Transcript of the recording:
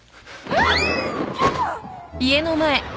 えっ！？